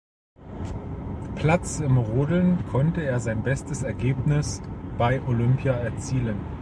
Platz im Rodeln konnte er sein bestes Ergebnis bei Olympia erzielen.